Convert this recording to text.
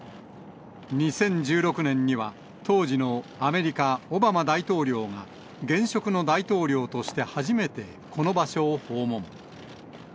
２０１６年には、当時のアメリカ・オバマ大統領が、現職の大統領として初めてこの場所を訪問。